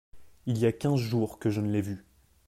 Il y a quinze jours que je ne l’ai vu.